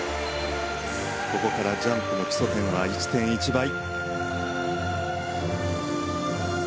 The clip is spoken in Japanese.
ここからジャンプの基礎点は１．１倍。